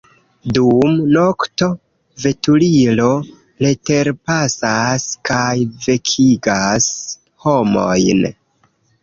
Dum nokto veturilo preterpasas kaj vekigas homojn.